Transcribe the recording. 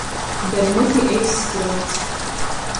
Gari moti, eiss pruots.